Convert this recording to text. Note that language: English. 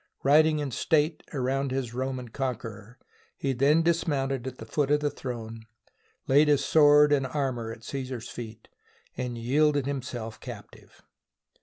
Riding in state around his Roman conqueror, he then dismounted at the foot of the throne, laid his sword and armour at Caesar's feet, and yielded him self captive.